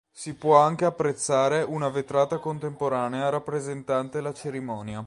Si può anche apprezzare una vetrata contemporanea rappresentante la cerimonia.